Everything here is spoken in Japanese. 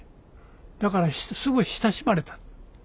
だからすぐ親しまれた。